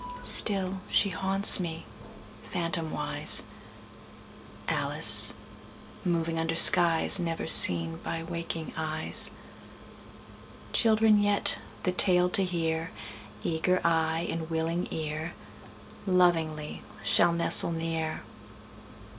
Still she haunts me, phantomwise, Alice moving under skies Never seen by waking eyes. Children yet, the tale to hear, Eager eye and willing ear, Lovingly shall nestle near.